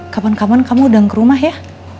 kapan kapan kamu udah ngerumah ya